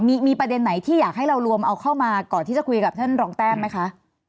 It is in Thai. มีประเด็นไหนที่อยากให้เรารวมเอาเข้ามาก่อนที่จะคุยกับท่านรองแต้มไหมคะ